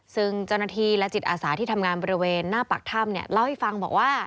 ซึ่งเจ้าหน้าที่และจิตอาสาที่ทำงานบริเวณหน้าปากถ้ำเนี่ยเล่าให้ฟังบอกว่า